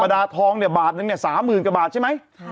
ธรรมดาทองเนี่ยบาทนึงเนี่ยสามหมื่นกว่าบาทใช่ไหมฮะ